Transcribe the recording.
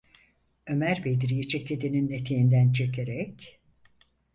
Ömer, Bedri’yi ceketinin eteğinden çekerek: